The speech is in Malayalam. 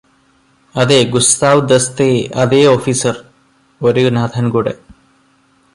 അതെ ഗുസ്താവ് ദസ്തേ അതേ ഓഫീസര് ഒരു അനാഥന് കൂടി